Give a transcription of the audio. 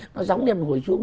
nó giống như là một hồi xuống